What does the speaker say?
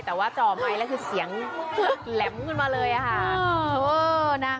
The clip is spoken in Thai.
แต่ว่าจอไมค์แล้วคือเสียงขึ้นมาเลยอ่ะค่ะโอ้น่ะ